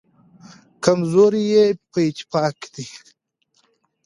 کمزوري یې په نفاق کې ده.